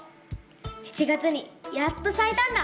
７月にやっとさいたんだ！